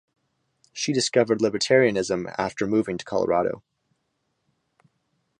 She discovered libertarianism after moving to Colorado.